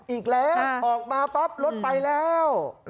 อีกแล้วออกมาปั๊บรถไปแล้ว